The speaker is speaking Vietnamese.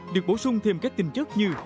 được bổ sung thêm các tình chất như